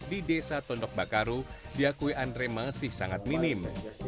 di desa tondok bakaru diakuian remah masih sangat minim